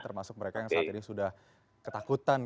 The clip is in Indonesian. termasuk mereka yang saat ini sudah ketakutan